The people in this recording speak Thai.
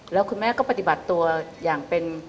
แล้วคุณแม่ก็ปฏิบัติตัวอย่างเป็น